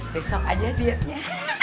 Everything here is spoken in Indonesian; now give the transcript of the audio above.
besok aja dietnya